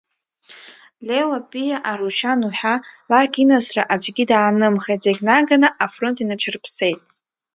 Леуа, Пиа, Арушьан уҳәа, лак инасра аӡәгьы даанымхеит, зегьы наганы афронт инаҿарыԥсеит.